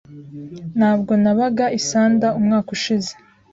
Ntabwo nabaga i Sanda umwaka ushize.